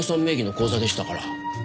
名義の口座でしたから。